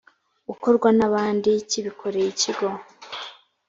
ukorwa n abandi kibikoreye ikigo